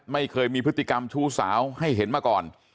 ไม่เคยมีพฤติกรรมชู้สาวให้เห็นมาก่อน